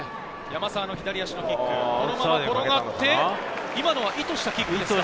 山沢のキック、このまま転がって今のは意図したキックですか？